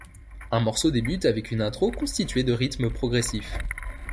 Un morceau débute avec une intro constituée de rythmes progressifs.